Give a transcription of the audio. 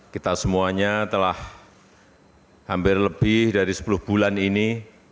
kita semuanya telah hampir lebih dari sepuluh bulan ini